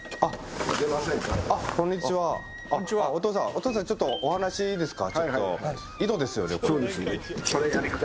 お父さん、ちょっとお話、いいですか。